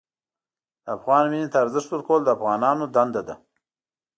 د افغان وینې ته ارزښت ورکول د افغانانو دنده ده.